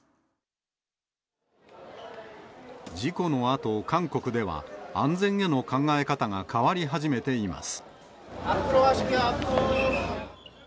事故のあと、韓国では、安全への考え方が変わり始めています。